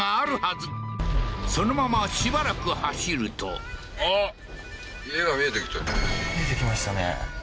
そのまましばらく走ると見えてきましたね